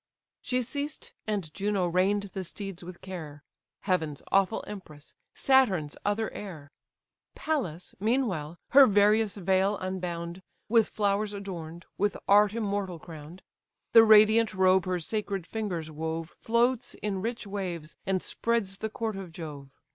She ceased, and Juno rein'd the steeds with care: (Heaven's awful empress, Saturn's other heir:) Pallas, meanwhile, her various veil unbound, With flowers adorn'd, with art immortal crown'd; The radiant robe her sacred fingers wove Floats in rich waves, and spreads the court of Jove.